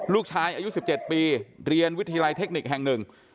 ลูกชายอายุ๑๗ปีเรียนวิทยาลัยเทคนิคแห่งหนึ่ง